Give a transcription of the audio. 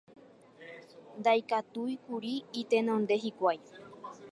Ndaikatúikuri itenonde hikuái